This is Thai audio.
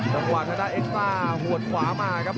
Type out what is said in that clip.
จังหวัดนาตาเอกตาร์หวดขวามาครับ